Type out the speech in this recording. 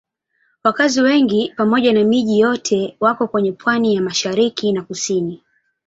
Wakazi wengi pamoja na miji yote wako kwenye pwani ya mashariki na kusini.